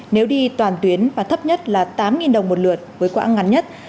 nếu đi toàn tuyến và thấp nhất là tám đồng một lượt với quãng ngắn nhất